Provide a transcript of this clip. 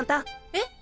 えっ！？